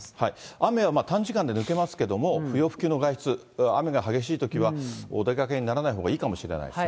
雨は短時間で抜けますけれども、不要不急の外出、雨が激しいときはお出かけにならないほうがいいかもしれないです